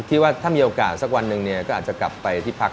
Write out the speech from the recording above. ว่าถ้ามีโอกาสสักวันหนึ่งเนี่ยก็อาจจะกลับไปที่พัก